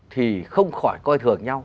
thì không khỏi coi thường nhau